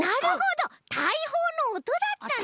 たいほうのおとだったんだね！